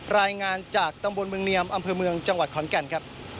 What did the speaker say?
รายงานจากตำบลเมืองเนียมอำเภอเมืองจังหวัดขอนแก่นครับ